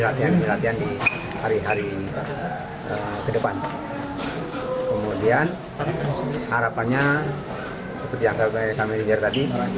latihan latihan di hari hari ke depan kemudian harapannya seperti apa manajer tadi